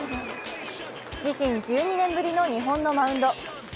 自身１２年ぶりの日本のマウンド。